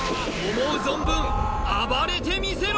思う存分あばれてみせろ！